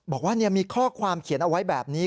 บอกว่ามีข้อความเขียนเอาไว้แบบนี้